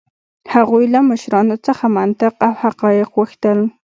هغوی له مشرانو څخه منطق او حقایق غوښتل.